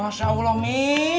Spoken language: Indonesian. masa allah mi